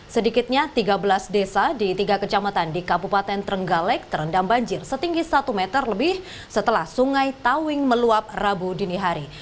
sedikitnya tiga belas desa di tiga kecamatan di kabupaten trenggalek terendam banjir setinggi satu meter lebih setelah sungai tawing meluap rabu dini hari